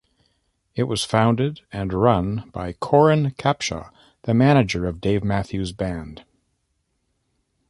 It was founded and run by Coran Capshaw, the manager of Dave Matthews Band.